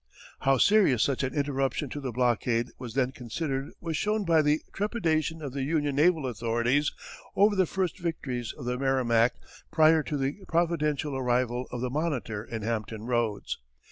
How serious such an interruption to the blockade was then considered was shown by the trepidation of the Union naval authorities over the first victories of the Merrimac prior to the providential arrival of the Monitor in Hampton Roads.